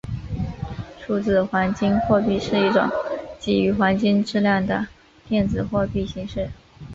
数字黄金货币是一种基于黄金质量的电子货币形式。